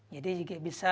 jadi juga bisa menciptakan